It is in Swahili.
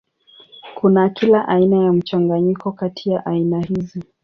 Kuna kila aina ya mchanganyiko kati ya aina hizi.